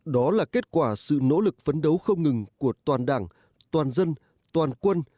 đó là kết quả sự nỗ lực phấn đấu không ngừng của toàn đảng toàn dân toàn quân